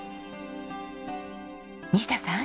西田さん。